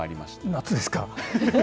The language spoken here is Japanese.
夏ですか？